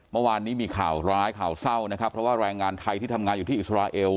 เมื่อวานนี้มีข่าวร้ายข่าวเศร้านะครับเพราะว่าแรงงานไทยที่ทำงานอยู่ที่อิสราเอล